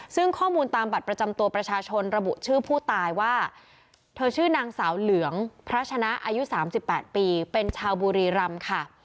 ซึ่งข้อมูลตามบัตรประจำตัวประชาชนระบุชื่อผู้ตายว่าเธอชื่อนางสาวเหลืองพระชนะอายุ๓๘ปีเป็นชาวบุรีรำค่ะ